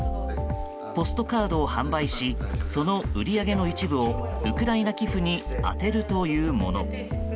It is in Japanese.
ポストカードを販売しその売り上げの一部をウクライナ寄付に充てるというもの。